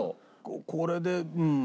これでうん。